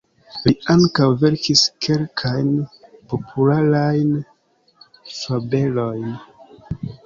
Li ankaŭ verkis kelkajn popularajn fabelojn.